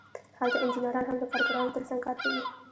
هلته انجینران هم د کارګرانو ترڅنګ کار کوي